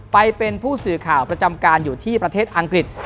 ไปเป็นผู้สื่อข่าวประจำการอยู่ที่ประเทศอังกฤษ